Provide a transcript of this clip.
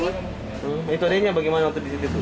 mie itu adeknya bagaimana waktu di situ